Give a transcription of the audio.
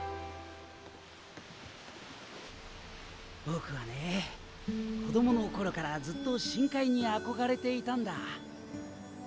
僕はね子供の頃からずっと深海に憧れていたんだ。